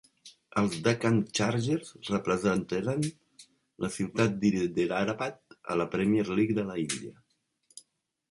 Els Deccan Chargers representaren la ciutat d'Hyderabad a la Premier League de la Índia.